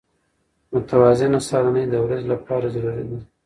متوازنه سهارنۍ د ورځې لپاره ضروري ده.